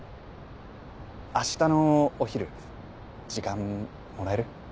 明日のお昼時間もらえる？